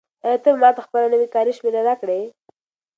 آیا ته به ماته خپله نوې کاري شمېره راکړې؟